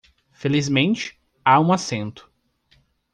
Felizmente, há um assento